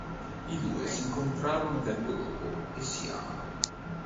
I due si incontrano tempo dopo e si amano.